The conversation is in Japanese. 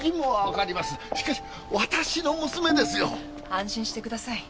安心してください。